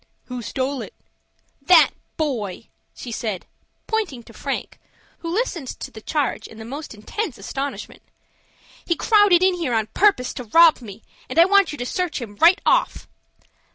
"Who stole it?" "That boy," she said pointing to Frank, who listened to the charge in the most intense astonishment. "He crowded in here on purpose to rob me, and I want you to search him right off."